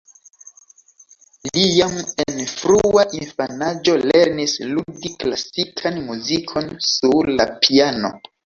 Li jam en frua infanaĝo lernis ludi klasikan muzikon sur la piano.